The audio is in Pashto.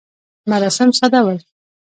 مراسم ساده ول.